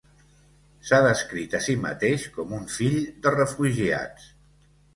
S'ha descrit a si mateix com un "fill de refugiats".